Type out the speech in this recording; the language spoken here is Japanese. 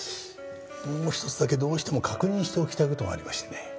もう一つだけどうしても確認しておきたい事がありましてね。